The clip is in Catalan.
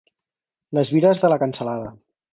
Les vires de la cansalada.